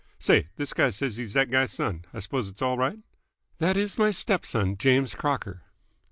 "Say, this guy says he's that guy's son. I s'pose it's all right?" "That is my step son, James Crocker."